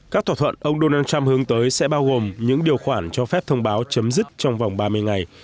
các thỏa thuận ông donald trump hướng tới sẽ bao gồm những điều khoản cho phép thông báo chấm dứt trong vòng ba mươi ngày